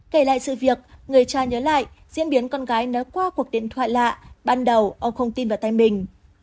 kể lại sự việc người cha nhớ lại diễn biến con gái nớ qua cuộc điện thoại lạ ban đầu ông không tin vào tay mình